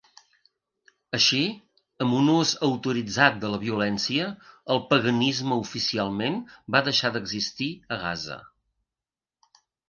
Així, amb un ús autoritzat de la violència, el paganisme oficialment va deixar d'existir a Gaza.